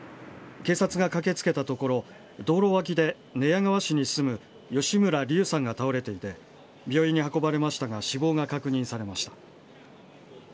警察が駆けつけたところ、道路脇で寝屋川市に住む吉村竜さんが倒れていて、病院に運ばれましたが死亡が確認されました。